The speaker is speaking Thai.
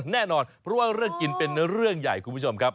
แน่นอนเพราะว่าเรื่องกินเป็นเรื่องใหญ่คุณผู้ชมครับ